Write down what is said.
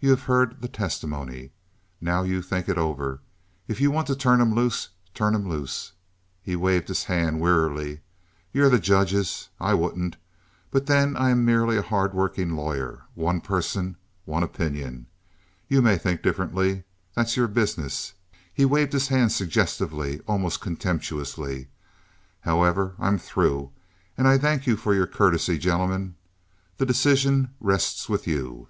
You have heard the testimony. Now you think it over. If you want to turn him loose—turn him loose. [He waved his hand wearily.] You're the judges. I wouldn't; but then I am merely a hard working lawyer—one person, one opinion. You may think differently—that's your business. [He waved his hand suggestively, almost contemptuously.] However, I'm through, and I thank you for your courtesy. Gentlemen, the decision rests with you."